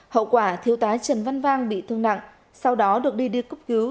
hậu quả thiếu tá trần văn vang bị thương nặng sau đó được đi đi cúp cứu